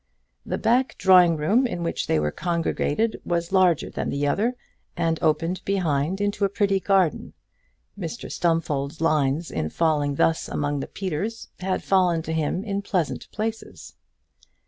The back drawing room in which they were congregated was larger than the other, and opened behind into a pretty garden. Mr Stumfold's lines in falling thus among the Peters, had fallen to him in pleasant places.